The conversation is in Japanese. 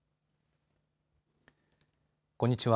こんにちは。